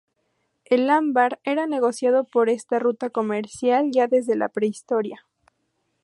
El ámbar era negociado por esta ruta comercial ya desde la Prehistoria.